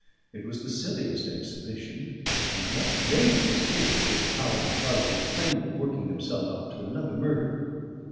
It was the silliest exhibition; and yet dangerous too, for the cowardly fellow was plainly working himself up to another murder.